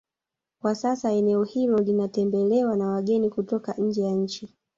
Kwa sasa eneo hilo linatembelewa na wageni kutoka nje ya nchi